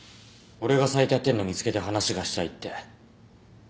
俺がサイトやってんの見つけて話がしたいって。